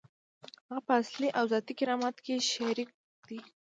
هغه په اصلي او ذاتي کرامت کې شریک دی.